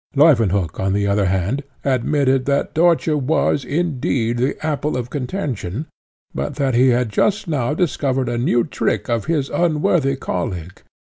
Leuwenhock, on the other hand, admitted that Dörtje was, indeed, the apple of contention, but that he had just now discovered a new trick of his unworthy colleague.